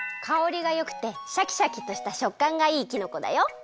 かおりがよくてシャキシャキとしたしょっかんがいいきのこだよ。